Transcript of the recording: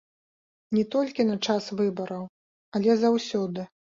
Не толькі на час выбараў, але заўсёды.